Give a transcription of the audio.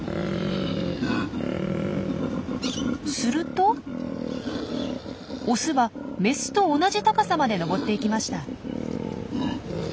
するとオスはメスと同じ高さまで登っていきました。